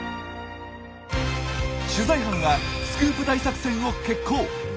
取材班はスクープ大作戦を決行。